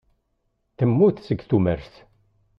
Temmut seg tumert.